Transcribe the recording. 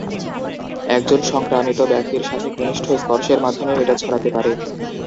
একজন সংক্রামিত ব্যক্তির সঙ্গে ঘনিষ্ঠ স্পর্শের মাধ্যমেও এটা ছড়াতে পারে।